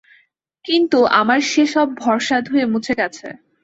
কিন্তু আমার সে-সব ভরসা ধুয়েমুছে গেছে।